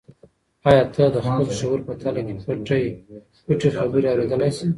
آیا ته د خپل شعور په تل کې پټې خبرې اورېدلی شې؟